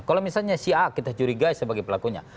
kalau misalnya si a kita curigai sebagai pelakunya